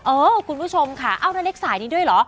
เออคุณผู้ชมค่ะเอ้านาเล็กสายนี้ด้วยเหรอ